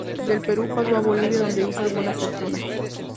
Del Perú pasó a Bolivia donde hizo alguna fortuna.